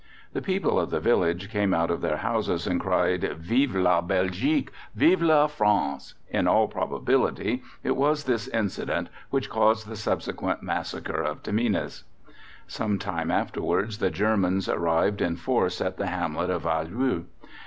The people of the village came out of their houses and cried: "Vive la Belgique!" "Vive la France!" In all probability it was this incident which caused the subsequent massacre of Tamines. Some time afterwards the Germans arrived in force at the hamlet of Alloux.